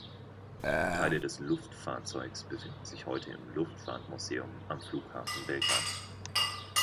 Teile des Luftfahrzeugs befinden sich heute im Luftfahrtmuseum am Flughafen Belgrad.